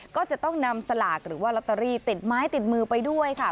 ก็จะต้องนำสลากหรือว่าลอตเตอรี่ติดไม้ติดมือไปด้วยค่ะ